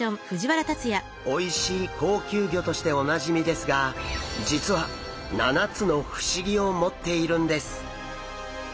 おいしい高級魚としておなじみですが実は７つの不思議を持っているんです。